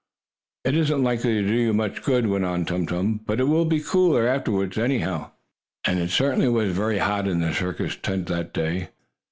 "It isn't likely to do you much good," went on Tum Tum, "but it will be cooler, afterward, anyhow." And it certainly was very hot in the circus tent that day.